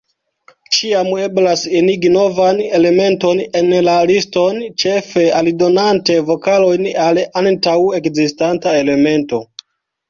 Ĉiam eblas enigi novan elementon en la liston, ĉefe aldonante vokalojn al antaŭ-ekzistanta elemento.